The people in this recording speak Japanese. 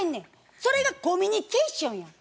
それがコミュニケーションや。